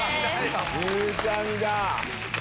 ゆうちゃみだ！